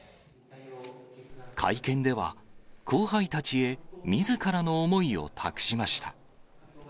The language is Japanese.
会見では、後輩たちへ、みずからの思いを託しました。